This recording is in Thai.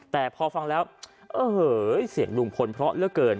แต่พอฟังแล้วโอ้โหเสียงลุงพลเพราะเหลือเกิน